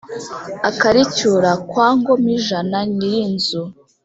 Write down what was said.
akaricyura kwa ngomijana nyirinzzu